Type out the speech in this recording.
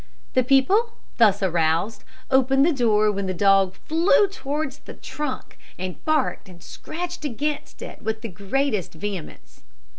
The people, thus aroused, opened the door, when the dog flew towards the trunk, and barked and scratched against it with the greatest vehemence.